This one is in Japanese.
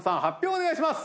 お願いします